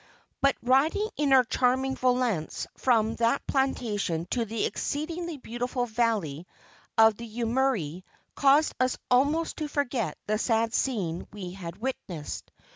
But riding in our charming volantes from that plantation to the exceedingly beautiful valley of the Yumurri caused us almost to forget the sad scene we had witnessed.